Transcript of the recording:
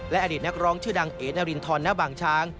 อดีตนักร้องชื่อดังเอ๋นารินทรณบางช้าง